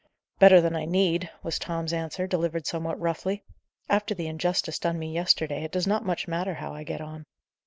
"Better than I need," was Tom's answer, delivered somewhat roughly. "After the injustice done me yesterday, it does not much matter how I get on."